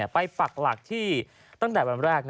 ปักหลักที่ตั้งแต่วันแรก